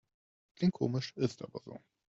Klingt komisch, ist aber so.